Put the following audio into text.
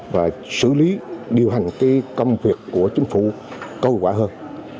và xử lý điều hành cái công việc của chính phủ cơ hội quả hơn